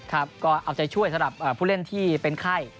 ครับก็เอาใจช่วยสำหรับผู้เล่นที่เป็นไข้